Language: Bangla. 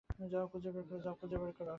যাও খুঁজে বের করো।